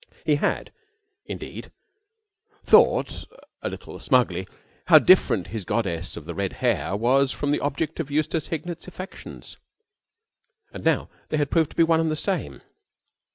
He had, indeed, thought a little smugly how different his goddess of the red hair was from the object of Eustace Hignett's affections. And how they had proved to be one and the same.